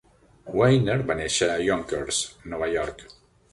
Weiner va nàixer en Yonkers, Nova York.